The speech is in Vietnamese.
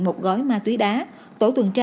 một gói ma túy đá tổ tuần tra